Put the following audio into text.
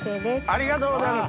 ありがとうございます！